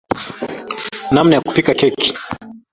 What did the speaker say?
namna ya kupika keki